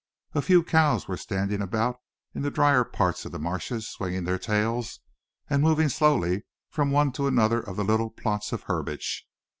A few cows were standing about in the drier part of the marshes, swinging their tails, and moving slowly from one to another of the little plots of herbage.